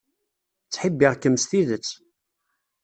Ttḥibbiɣ-kem s tidet.